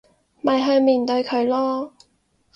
咪去面對佢囉